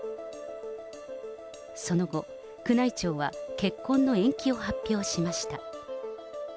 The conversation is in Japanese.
その後、宮内庁は結婚の延期を発表しました。